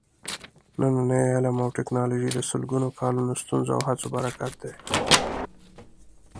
نننی علم او ټېکنالوجي د سلګونو کالونو ستونزو او هڅو برکت دی.